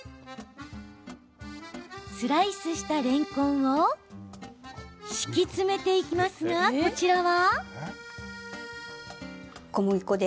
スライスしたれんこんを敷き詰めていますが、こちらは？